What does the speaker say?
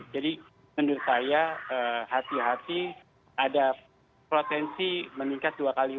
jadi menurut saya hati hati ada potensi meningkat dua kali